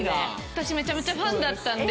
私めちゃめちゃファンだったんで。